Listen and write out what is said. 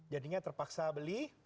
jadinya terpaksa beli